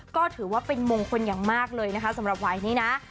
ก็ถือว่าเป็นมงคลอย่างมากเลยนะคะสำหรับวัยนี้นะ